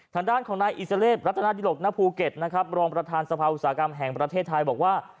ทางด้านของนายอิสระเลพรัฐนาธิรกิจณภูเก็ตรองประธานสภาวิทยาลัยอุตสาหกรรมแห่งประเทศไทยบอกว่า